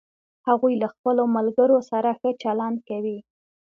هغوی له خپلوملګرو سره ښه چلند کوي